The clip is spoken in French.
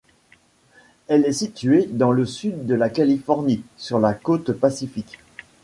Elle est située dans le sud de la Californie, sur la côte pacifique.